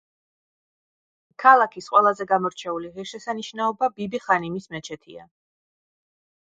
ქალაქის ყველაზე გამორჩეული ღირსშესანიშნაობა ბიბი-ხანიმის მეჩეთია.